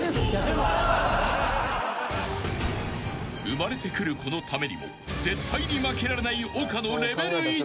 ［生まれてくる子のためにも絶対に負けられない丘の］